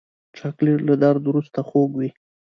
چاکلېټ له درد وروسته خوږ وي.